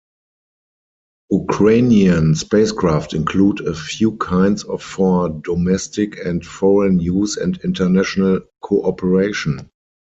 Ukrainian spacecraft include a few kinds for domestic and foreign use and international cooperation.